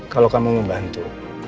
kalau kamu mau bantu